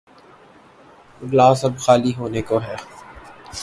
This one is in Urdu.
گلاس اب خالی ہونے کو ہے۔